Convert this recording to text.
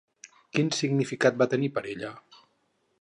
Quin significat va tenir per ella?